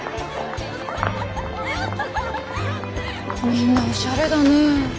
みんなおしゃれだね。